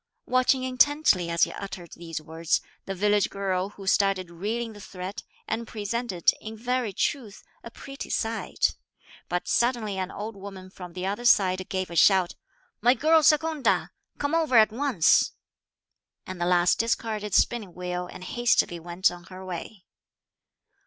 Watching intently, as he uttered these words, the village girl who started reeling the thread, and presented, in very truth, a pretty sight. But suddenly an old woman from the other side gave a shout. "My girl Secunda, come over at once;" and the lass discarded the spinning wheel and hastily went on her way.